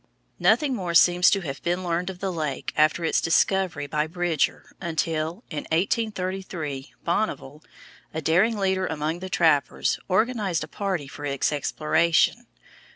Nothing more seems to have been learned of the lake after its discovery by Bridger until in 1833 Bonneville, a daring leader among the trappers, organized a party for its exploration.